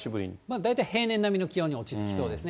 大体平年並みの気温に落ち着きそうですね。